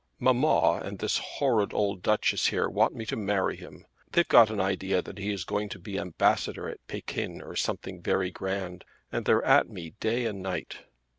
"Mamma and this horrid old Duchess here want me to marry him. They've got an idea that he is going to be ambassador at Pekin or something very grand, and they're at me day and night."